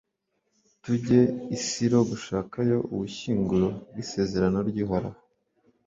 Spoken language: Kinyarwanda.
tujye i silo gushakayo ubushyinguro bw'isezerano ry'uhoraho